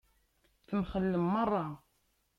Temxellem meṛṛa.